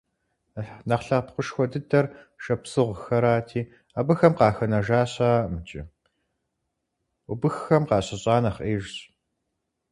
Нэхъ лъэпкъышхуэ дыдэр шапсыгъхэрати, абыхэм къахэнэжа щыӀэкъым иджы, убыххэм къащыщӀар нэхъ Ӏеижщ.